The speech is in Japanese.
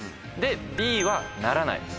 Ｂはならない。